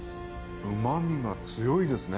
旨みが強いですね。